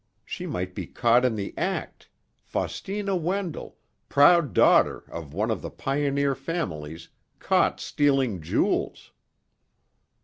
She might be caught in the act—Faustina Wendell, proud daughter of one of the pioneer families, caught stealing jewels!